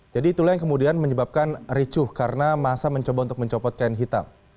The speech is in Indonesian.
jadi itulah yang kemudian menyebabkan ricuh karena masa mencoba untuk mencopot kain hitam